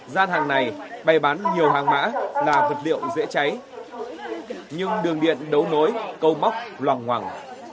gian hàng này bày bán nhiều hàng mã là vật liệu dễ cháy nhưng đường điện đấu nối câu móc lòng hoàng